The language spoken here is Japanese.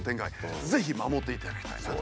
ぜひ守っていただきたいなと。